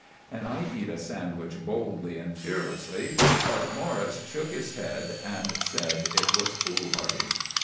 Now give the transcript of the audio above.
And I eat a sandwich boldly and fearlessly, but Morris shook his head and said it was foolhardy.